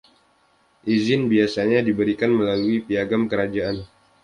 Izin biasanya diberikan melalui Piagam Kerajaan.